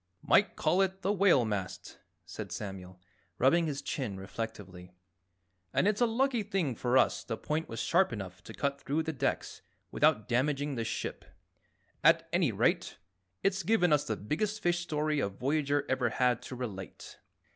"Might call it the whalemast," said Samuel, rubbing his chin reflectively. "And it's a lucky thing for us the point was sharp enough to cut through the decks without damaging the ship. At any rate, it's given us the biggest fish story a voyager ever had to relate.